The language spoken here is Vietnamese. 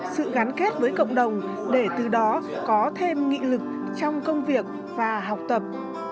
sự gắn kết với cộng đồng để từ đó có thêm nghị lực trong công việc và học tập